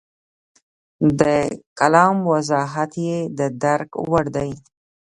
د کلام وضاحت یې د درک وړ دی.